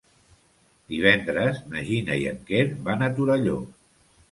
Divendres na Gina i en Quer van a Torelló.